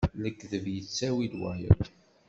Lekdeb yettawi-d wayeḍ.